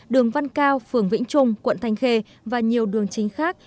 đường văn cao phường vĩnh trung quận thanh khê và nhiều đường chính khác